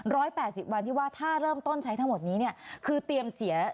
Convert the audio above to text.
แปดสิบวันที่ว่าถ้าเริ่มต้นใช้ทั้งหมดนี้เนี่ยคือเตรียมเสีย